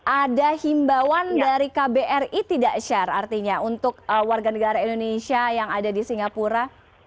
ada himbawan dari kbri tidak sher artinya untuk warga negara indonesia yang ada di singapura